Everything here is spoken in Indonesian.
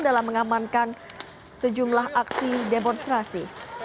dalam mengamankan sejumlah aksi demonstrasi